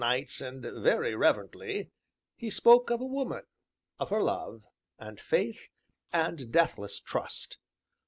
But, lastly and very reverently, he spoke of a woman, of her love, and faith, and deathless trust.